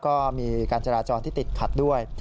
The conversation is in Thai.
ก็มีการจราจรที่ติดขัดด้วย